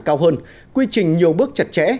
cao hơn quy trình nhiều bước chặt chẽ